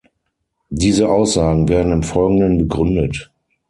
Diese Aussagen werden im Folgenden begründet.